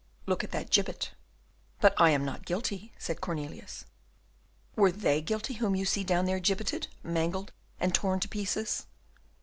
"Look at that gibbet." "But I am not guilty," said Cornelius. "Were they guilty whom you see down there gibbeted, mangled, and torn to pieces?"